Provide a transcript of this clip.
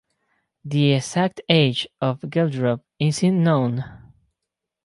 The exact age of Geldrop isn't known.